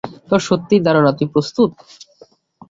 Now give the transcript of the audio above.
তোর সত্যিই ধারণা তুই প্রস্তুত?